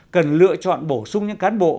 cần lựa chọn bổ sung những cán bộ